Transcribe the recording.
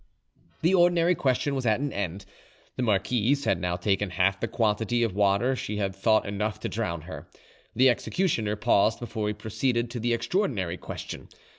The ordinary question was at an end. The marquise had now taken half the quantity of water she had thought enough to drown her. The executioner paused before he proceeded to the extraordinary question.